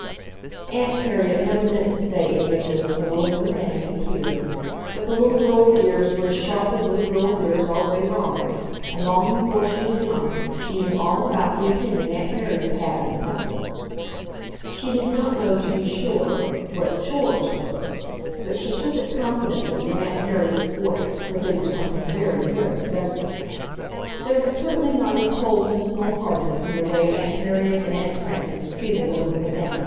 Aunt Harriet never meant to say any of this when Elizabeth Ann could hear, but the little girl's ears were as sharp as little girls' ears always are, and long before she was nine she knew all about the opinion Aunt Harriet had of the Putneys. She did not know, to be sure, what "chores" were, but she took it confidently from Aunt Harriet's voice that they were something very, very dreadful. There was certainly neither coldness nor hardness in the way Aunt Harriet and Aunt Frances treated Elizabeth Ann.